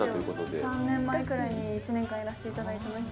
３年前ぐらいに１年間やらせていただきました。